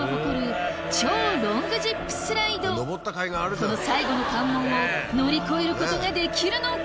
この最後の関門を乗り越えることができるのか？